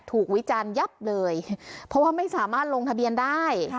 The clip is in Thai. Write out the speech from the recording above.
วิจารณ์ยับเลยเพราะว่าไม่สามารถลงทะเบียนได้